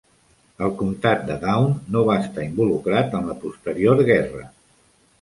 El comtat de Down no va estar involucrat en la posterior guerra.